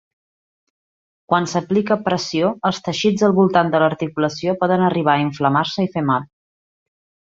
Quan s'aplica pressió, els teixits al voltant de l'articulació poden arribar a inflamar-se i fer mal.